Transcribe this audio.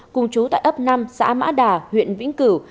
cùng chú tại ấp năm xã mã đà huyện vĩnh cửu